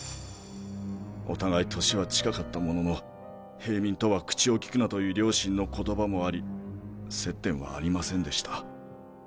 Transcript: お互い年は近かったものの平民とは口を利くなという両親の言葉もあり接点はありませんでした。